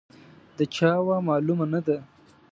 د چا وه، معلومه نه ده.